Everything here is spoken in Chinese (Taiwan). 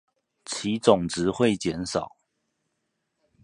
其總值會減少